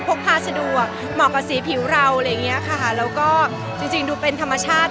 พกพาสะดวกเหมาะกับสีผิวเราอะไรอย่างเงี้ยค่ะแล้วก็จริงจริงดูเป็นธรรมชาติ